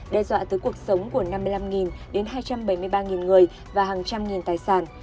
đe dọa tới cuộc sống của năm mươi năm đến hai trăm bảy mươi ba người và hàng trăm nghìn tài sản